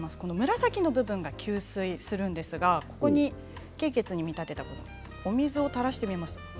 紫の部分が吸水するんですが経血に見立てたお水を垂らしてみます。